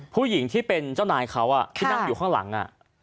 ผู้หญิงที่เป็นเจ้านายเขาที่นั่งอยู่ข้างหลัง